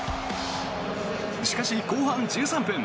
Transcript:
しかし、後半１３分。